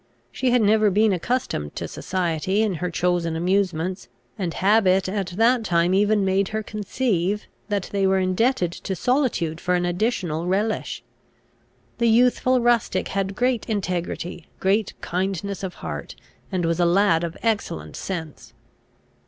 She had never been accustomed to society in her chosen amusements, and habit at that time even made her conceive, that they were indebted to solitude for an additional relish. The youthful rustic had great integrity, great kindness of heart, and was a lad of excellent sense.